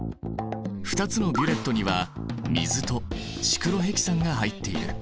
２つのビュレットには水とシクロヘキサンが入っている。